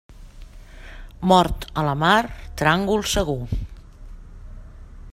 Mort a la mar, tràngol segur.